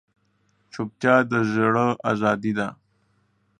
چوپتیا، د زړه ازادي ده.